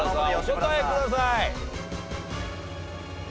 お答えください。